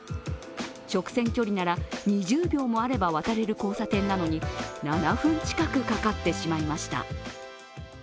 直線距離なら２０秒もあれば渡れる交差点なのに７分近くかかってしまいました。